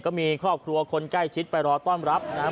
ก็มีครอบครัวคนใกล้ชิดไปรอต้อนรับนะครับ